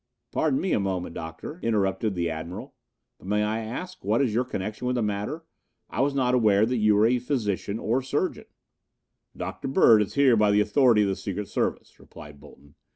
"Pardon me a moment, Doctor," interrupted the Admiral, "but may I ask what is your connection with the matter? I was not aware that you were a physician or surgeon." "Dr. Bird is here by the authority of the secret service," replied Bolton.